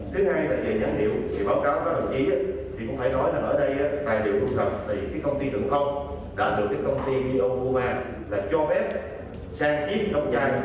thứ hai là về nhãn hiệu thì báo cáo các đồng chí thì cũng phải nói là ở đây tài liệu đúng thật thì cái công ty đường không đã được cái công ty diogoma là cho ép sang chiếc trong chai